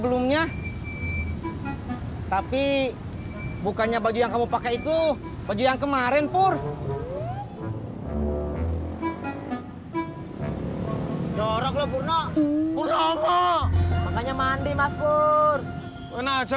lu kan bapaknya